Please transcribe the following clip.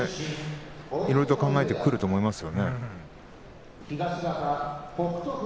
いろいろと考えてくると思いますね。